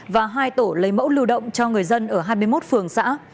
và hai tổ lấy mẫu lưu động cho người dân ở hai mươi một phường xã